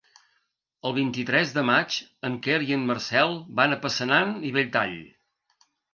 El vint-i-tres de maig en Quer i en Marcel van a Passanant i Belltall.